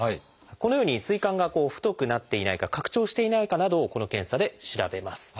このように膵管が太くなっていないか拡張していないかなどをこの検査で調べます。